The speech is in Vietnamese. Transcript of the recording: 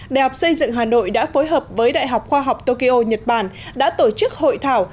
đại học xây dựng hà nội đã phối hợp với đại học khoa học tokyo nhật bản đã tổ chức hội thảo